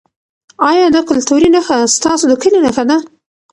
ایا دا کلتوري نښه ستاسو د کلي نښه ده؟